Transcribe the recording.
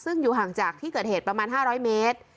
ซึ่งอยู่ห่างจากที่เกิดเหตุประมาณ๕๐๐เมตร